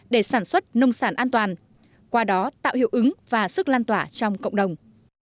để sản xuất nông sản an toàn qua đó tạo hiệu ứng và sức lan tỏa trong cộng đồng